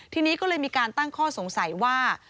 ทีนี้ก็เลยมีการตั้งข้อสงสัยว่า